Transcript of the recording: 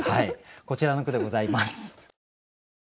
こちらの句でございます。